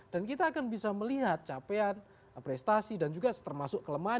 dan kita akan bisa melihat capaian prestasi dan juga termasuk kelemahan